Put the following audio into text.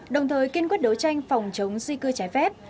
đồng thời kiên quyết đấu tranh phòng chống di cư trái phép